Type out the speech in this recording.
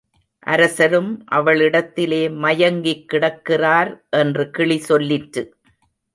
அரசரும் அவளிடத்திலே மயங்கிக் கிடக்கிறார் என்று கிளி சொல்லிற்று.